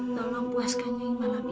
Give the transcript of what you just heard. tolong puaskan nyai malam ini